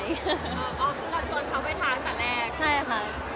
ก็คิดอะไรไม่ออกแล้วทาเล็บเหมือนเรา